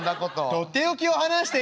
「とっておきを話しています」。